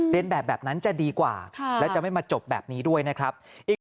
แบบแบบนั้นจะดีกว่าและจะไม่มาจบแบบนี้ด้วยนะครับ